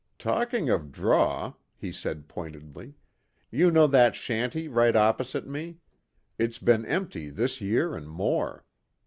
"Talking of 'draw,'" he said pointedly, "you know that shanty right opposite me. It's been empty this year an' more.